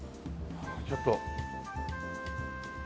ちょっと。